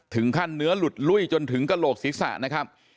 ถึงขั้นเนื้อหลุดลุ้ยจนถึงกระโหลกศิษย์สะนะครับ